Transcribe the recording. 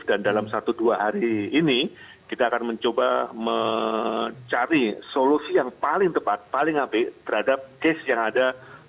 dan dalam satu dua hari ini kita akan mencoba mencari solusi yang paling tepat paling hampir terhadap kes yang ada sehari kemarin begitu